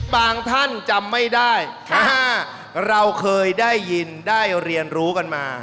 ท่านจำไม่ได้เราเคยได้ยินได้เรียนรู้กันมา